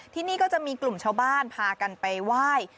ที่นี่ก็จะมีกลุ่มชาวบ้านพากันไปไหว้